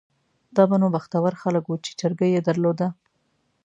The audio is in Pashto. دا به نو بختور خلک وو چې چرګۍ یې درلوده.